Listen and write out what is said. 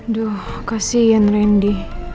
aduh kasihan randy